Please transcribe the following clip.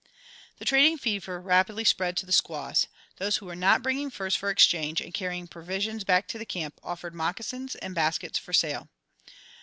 The trading fever rapidly spread to the squaws. Those who were not bringing furs for exchange and carrying provisions back to the camp offered moccasins and baskets for sale.